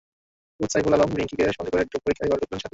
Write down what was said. Coach Saiful Alam রিংকিকে সঙ্গে করে ডোপ পরীক্ষার ঘরে ঢুকলেন শাকিল।